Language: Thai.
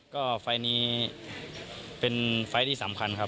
ก็ไฟล์นี้เป็นไฟล์ที่สำคัญครับ